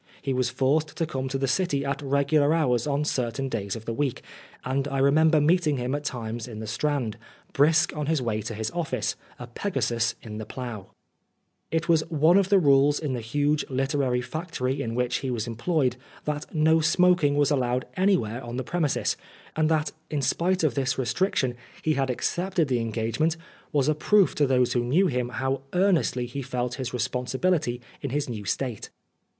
He was forced to come to the City at regular hours on certain days of the week, and I remember meeting him at times in the Strand, brisk on his way to his office, a Pegasus in the plough. It was one of the rules in the huge literary factory in which he was employed that no smoking was allowed anywhere on the premises, and that, in spite of this restric tion, he had accepted the engagement, was a proof to those who knew him how earnestly he felt his responsibility in his new state.